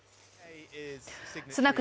スナク